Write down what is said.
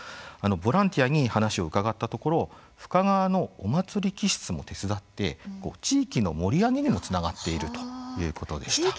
ボランティアに話を伺ったところ深川のお祭り気質も手伝って地域の盛り上げにもつながっているということでした。